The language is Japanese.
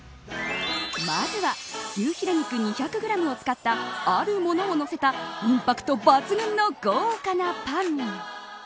まずは、牛ヒレ肉２００グラムを使ったあるものを載せたインパクト抜群の豪華なパン。